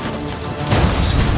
ya ini udah berakhir